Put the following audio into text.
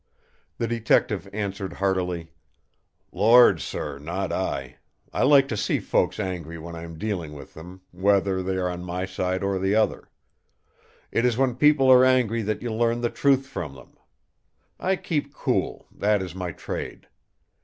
The Detective answered heartily: "Lord, sir, not I. I like to see folks angry when I am dealing with them, whether they are on my side or the other. It is when people are angry that you learn the truth from them. I keep cool; that is my trade!